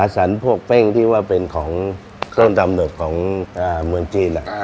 สรรพวกเป้งที่ว่าเป็นของต้นตำเนิดของเมืองจีน